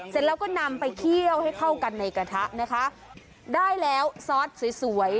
เสร็จแล้วก็นำไปเคี่ยวให้เข้ากันในกระทะนะคะได้แล้วซอสสวยสวย